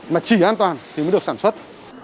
mà chỉ an toàn thì mới được sản xuất